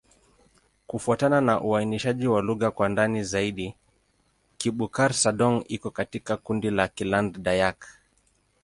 Kufuatana na uainishaji wa lugha kwa ndani zaidi, Kibukar-Sadong iko katika kundi la Kiland-Dayak.